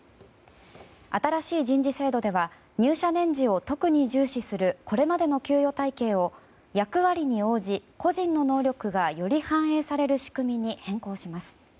新しい人事制度では入社年次を特に重視するこれまでの給与体系を役割に応じ、個人の能力がより反映される仕組みに変更します。